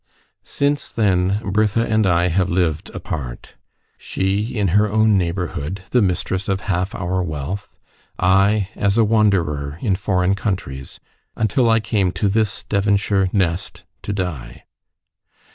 Since then Bertha and I have lived apart she in her own neighbourhood, the mistress of half our wealth, I as a wanderer in foreign countries, until I came to this Devonshire nest to die.